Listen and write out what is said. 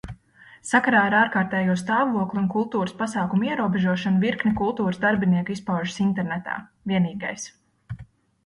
Sakarā ar ārkārtējo stāvokli un kultūras pasākumu ierobežošanu virkne kultūras darbinieku izpaužas internetā. Vienīgais.